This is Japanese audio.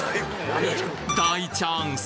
大チャンス！